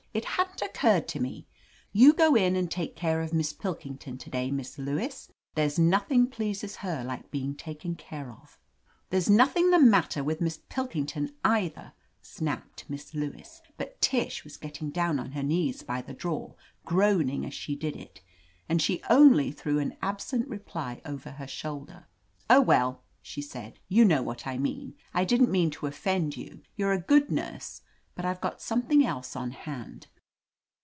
"It hadn't oc curred to me. You go in and take care of Miss Pilkington to day. Miss Lewis. There's nothing pleases her like being taken care of." "There's nothing the matter with Miss Pil kington, either," snapped Miss Lewis, but Tish was getting down on her knees by the drawer, groaning as she did it, and she only threw an absent reply over her shoulder. "Oh, well," she said, "you know what I mean. I didn't mean to offend you. You're a goodj nurse, but I've got something else on hand.!